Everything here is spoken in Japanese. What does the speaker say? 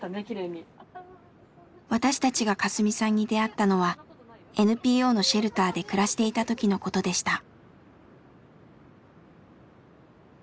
私たちがカスミさんに出会ったのはＮＰＯのシェルターで暮らしていた時のことでした。